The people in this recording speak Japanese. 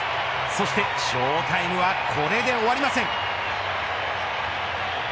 そしてショータイムはこれで終わりません。